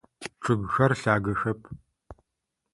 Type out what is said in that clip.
Чъыгыхэр лъагэхэп.